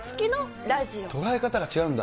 捉え方が違うんだ。